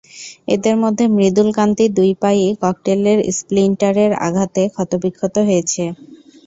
এঁদের মধ্যে মৃদুল কান্তির দুই পায়ই ককটেলের স্প্লিন্টারের আঘাতে ক্ষতবিক্ষত হয়েছে।